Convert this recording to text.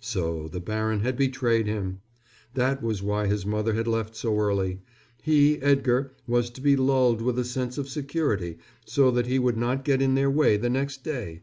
So the baron had betrayed him! That was why his mother had left so early. He, Edgar, was to be lulled with a sense of security so that he would not get in their way the next day.